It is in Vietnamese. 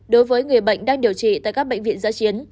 đối với người bệnh đang điều trị tại các bệnh viện giã chiến